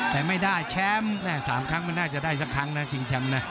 แต่ไม่ได้แชมป์๓ครั้งมันน่าจะได้สักครั้งนะชิงแชมป์นะ